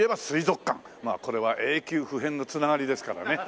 これは永久不変の繋がりですからね。